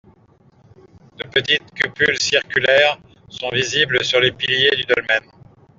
De petites cupules circulaires sont visibles sur les piliers du dolmen.